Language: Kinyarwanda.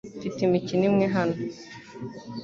Mfite imikino imwe hano .